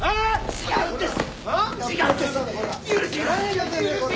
違うんです！